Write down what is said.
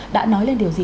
đã nói lên điều gì